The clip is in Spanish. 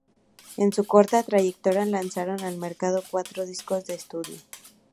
En su corta trayectoria lanzaron al mercado cuatro discos de estudio.